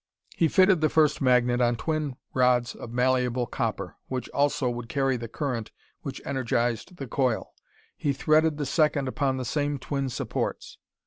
He fitted the first magnet on twin rods of malleable copper, which also would carry the current which energized the coil. He threaded the second upon the same twin supports.